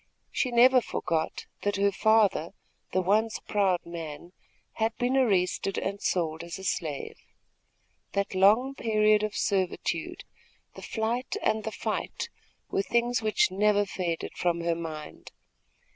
She never forgot that her father, the once proud man, had been arrested and sold as a slave. That long period of servitude, the flight and the fight were things which never faded from her mind.